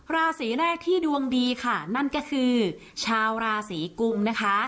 ราศีแรกที่ดวงดีค่ะนั่นก็คือชาวราศีกุมนะคะ